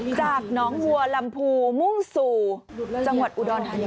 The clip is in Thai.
จากหนองวัวลำพูมุ่งสู่จังหวัดอุดรธานี